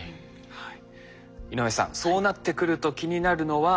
はい。